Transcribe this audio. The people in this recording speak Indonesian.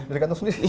dari kantong sendiri